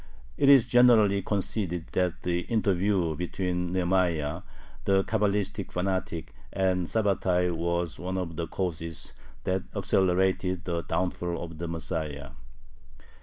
It is generally conceded that the interview between Nehemiah, the Cabalistic fanatic, and Sabbatai was one of the causes that accelerated the downfall of the Messiah.